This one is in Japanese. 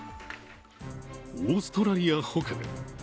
オーストラリア北部。